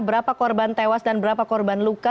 berapa korban tewas dan berapa korban luka